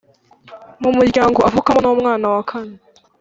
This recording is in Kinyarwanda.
mu muryango avukamo ni umwana wakane